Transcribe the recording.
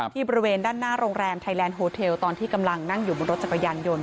บริเวณด้านหน้าโรงแรมไทยแลนด์โฮเทลตอนที่กำลังนั่งอยู่บนรถจักรยานยนต